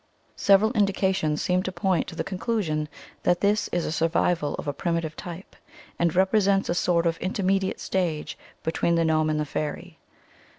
Several indications seem to point to the con clusion that this is a survival of a primi tive type, and represents a sort of interme diate stage between the gnome and the fairy.